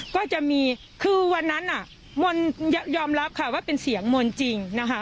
ก็จะมีคือวันนั้นมนต์ยอมรับค่ะว่าเป็นเสียงมนต์จริงนะคะ